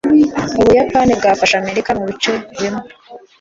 ubuyapani bwafashe amerika mubice bimwe